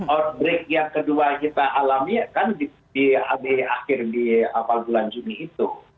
outbreak yang kedua kita alami kan di akhir di awal bulan juni itu